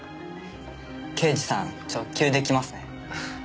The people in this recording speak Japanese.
刑事さん直球で来ますね。